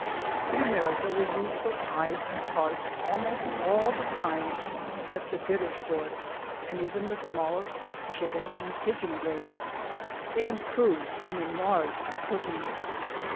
In America, we use for pies and tarts almost all the kinds except the bitter sort, and even the smallest Chicken and Pidgeon Grapes: they improve and enlarge by cooking.